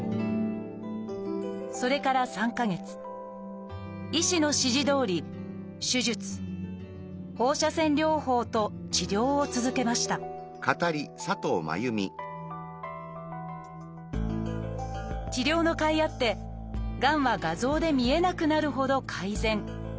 それから３か月医師の指示どおり手術放射線療法と治療を続けました治療のかいあってがんは画像で見えなくなるほど改善。